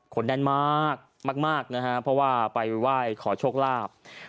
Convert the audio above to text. แน่นมากมากนะฮะเพราะว่าไปไหว้ขอโชคลาภ